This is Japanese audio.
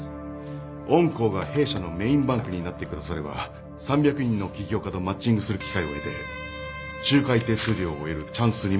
御行が弊社のメインバンクになってくだされば３００人の起業家とマッチングする機会を得て仲介手数料を得るチャンスにもなります。